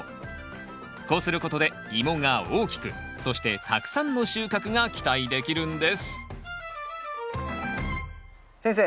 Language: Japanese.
こうすることでイモが大きくそしてたくさんの収穫が期待できるんです先生